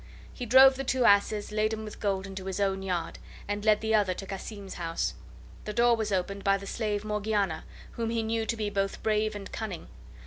He drove the two asses laden with gold into his own yard, and led the other to Cassim's house. The door was opened by the slave Morgiana, whom he knew to be both brave and cunning.